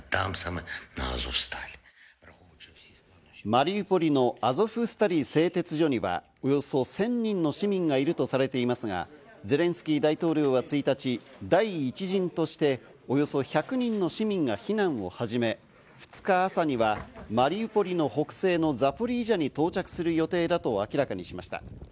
マリウポリのアゾフスタリ製鉄所にはおよそ１０００人の市民がいるとされていますが、ゼレンスキー大統領は１日、第１陣としておよそ１００人の市民が避難を始め、２日朝にはマリウポリの北西のザポリージャに到着する予定だと明らかにしました。